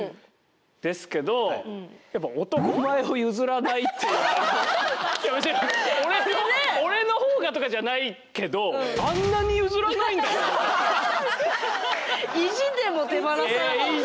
ですけどやっぱ「俺の方が」とかじゃないけど意地でも。